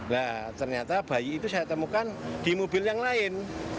nah ternyata bayi itu saya temukan di mobil yang lain